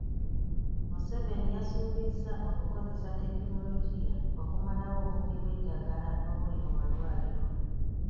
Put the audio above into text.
Museveni yasuubizza okukozesa tekinologiya okumalawo obubbi bw'eddagala obuli mu malwaliro